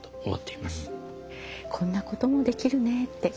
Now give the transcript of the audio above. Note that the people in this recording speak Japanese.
こんなこともできるねって